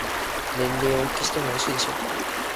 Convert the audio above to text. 年齢をお聞きしてもよろしいでしょうか。